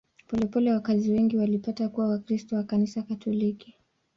Polepole wakazi wengi walipata kuwa Wakristo wa Kanisa Katoliki.